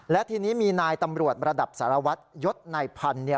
และทีนี้มีนายตำรวจระดับสารวัตรยศนายพันธุ์เนี่ย